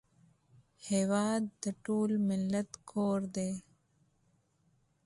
هېواد د ټول ملت کور دی